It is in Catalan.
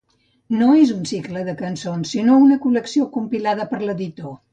No és un cicle de cançons, sinó una col·lecció compilada per l'editor.